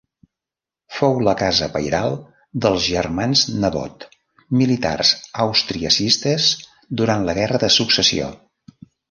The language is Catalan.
Fou la casa pairal dels Germans Nebot, militars austriacistes durant la Guerra de Successió.